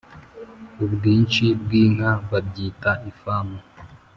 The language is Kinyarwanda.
Ubwinshi bwinka babyita ifamu